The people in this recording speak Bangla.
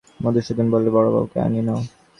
মধুসূদন বললে, বড়োবউকে আনিয়ে নাও।